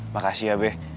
makasih ya be